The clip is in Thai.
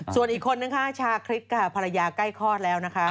ส่วนอีกคนนึงค่ะชาคริสค่ะภรรยาใกล้คลอดแล้วนะคะ